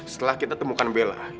setelah kita temukan bella